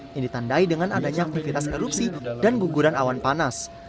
yang ditandai dengan adanya aktivitas erupsi dan guguran awan panas